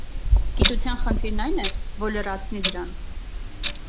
Գիտության խնդիրն այն է, որ լրացնի դրանց։